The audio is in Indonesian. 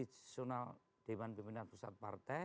istisional dewan pindah ustadz partai